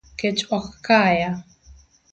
Kech ok kaya